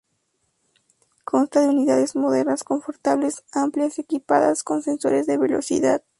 Consta de unidades modernas, confortables, amplias y equipadas con sensores de velocidad.